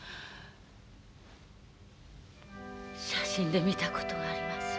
写真で見たことがあります。